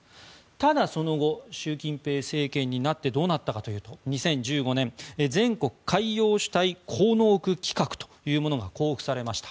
ただ、その後習近平政権になってどうなったかというと２０１５年全国海洋主体功能区規画というものが公布されました。